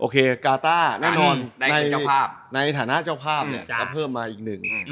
กาต้าในฐานะเจ้าภาพจะเพิ่มมาอีกหนึ่ง